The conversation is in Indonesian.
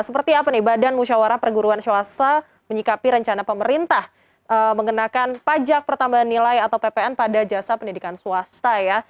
seperti apa nih badan musyawarah perguruan swasta menyikapi rencana pemerintah mengenakan pajak pertambahan nilai atau ppn pada jasa pendidikan swasta ya